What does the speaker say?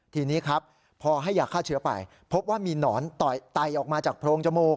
ทีนี้ครับพอให้ยาฆ่าเชื้อไปพบว่ามีหนอนไตออกมาจากโพรงจมูก